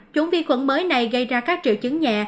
chủng vi khuẩn mới này gây ra các triệu chứng nhẹ